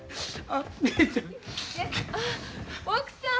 あ奥さん。